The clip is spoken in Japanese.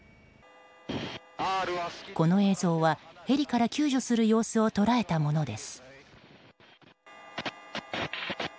この映像はヘリから救助する様子を捉えたものです。